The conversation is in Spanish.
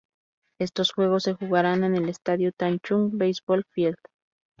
Estos juegos se jugarán en el estadio Taichung Baseball Field.